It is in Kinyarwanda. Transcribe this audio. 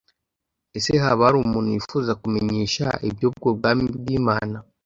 Ese haba hari umuntu wifuza kumenyesha iby’ubwo Bwami bw’Imana?